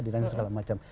dirancang segala macam